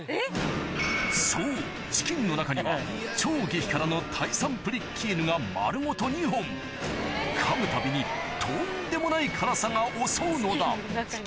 そうチキンの中には超激辛のタイ産プリッキーヌが丸ごと２本かむたびにとんでもない辛さが襲うのだ